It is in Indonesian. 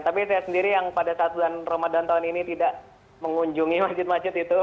tapi saya sendiri yang pada saat bulan ramadan tahun ini tidak mengunjungi masjid masjid itu